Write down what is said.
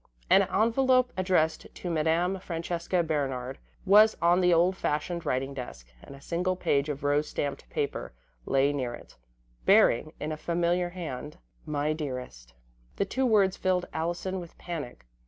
An envelope addressed to "Madame Francesca Bernard" was on the old fashioned writing desk, and a single page of rose stamped paper lay near it, bearing, in a familiar hand: "My Dearest." The two words filled Allison with panic.